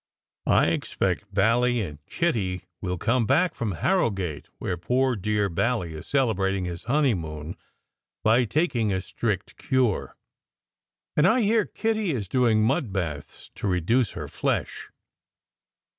I expect Bally and Kitty will come back from Harro gate, where poor dear Bally is celebrating his honeymoon by taking a strict cure, and I hear Kitty is doing mud baths to reduce her flesh.